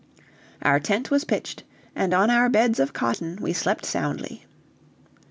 Our tent was pitched, and on our beds of cotton we slept soundly.